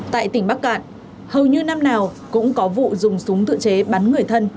tại tỉnh bắc cạn hầu như năm nào cũng có vụ dùng súng tự chế bắn người thân